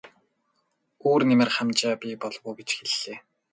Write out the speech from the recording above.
Өөр нэмэр хамжаа бий болов уу гэж хэллээ.